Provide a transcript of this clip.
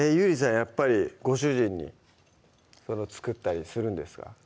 やっぱりご主人に作ったりするんですか？